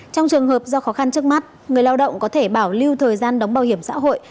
trong trường hợp do khó khăn trước mắt người lao động có thể bảo lưu thời gian đóng bảo hiểm xã hội